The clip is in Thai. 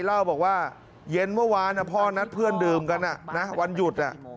เล่าบอกว่าเย็นเมื่อวานพ่อนัดเพื่อนดื่มกันวันหยุด